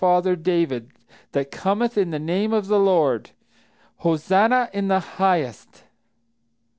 Blessed Is he that cometh in the name of the Lord! Hosanna in the highest!